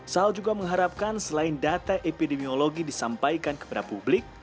sal juga mengharapkan selain data epidemiologi disampaikan kepada publik